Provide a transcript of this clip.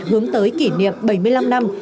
hướng tới kỷ niệm bảy mươi năm năm